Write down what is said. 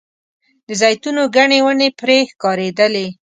د زیتونو ګڼې ونې پرې ښکارېدلې.